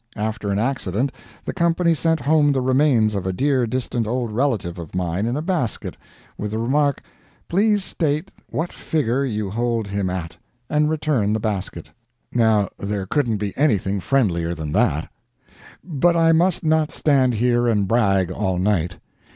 After an accident the company sent home the remains of a dear distant old relative of mine in a basket, with the remark, "Please state what figure you hold him at and return the basket." Now there couldn't be anything friendlier than that. But I must not stand here and brag all night.